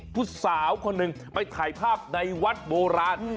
ผู้สาวคนหนึ่งไปถ่ายภาพในวัดโบราณ